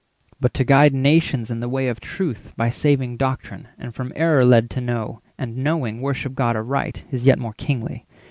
But to guide nations in the way of truth By saving doctrine, and from error lead To know, and, knowing, worship God aright, Is yet more kingly.